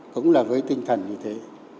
cũng là với tinh thần như thế